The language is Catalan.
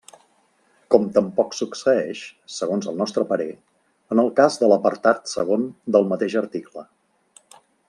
Com tampoc succeeix, segons el nostre parer, en el cas de l'apartat segon del mateix article.